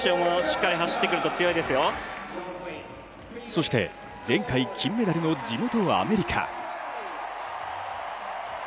そして前回金メダルの地元・アメリカ。